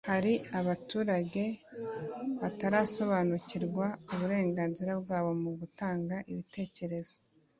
Hari abaturage batarasobanukirwa uburenganzira bwabo mu gutanga ibitekerezo